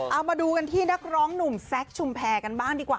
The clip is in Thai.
เอามาดูกันที่นักร้องหนุ่มแซคชุมแพรกันบ้างดีกว่า